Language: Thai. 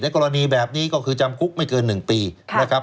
กรณีแบบนี้ก็คือจำคุกไม่เกิน๑ปีนะครับ